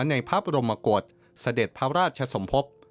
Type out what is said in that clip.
ในภาพโรมโกรธสเด็จพระราชสมภพ